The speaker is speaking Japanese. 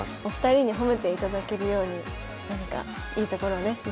お二人に褒めていただけるように何かいいところをね